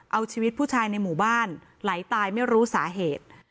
เอาชีวิตผู้ชายในหมู่บ้านไหลตายไม่รู้สาเหตุ